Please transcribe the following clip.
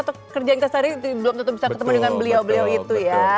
atau kerjaan kesari belum tentu bisa ketemu dengan beliau beliau itu ya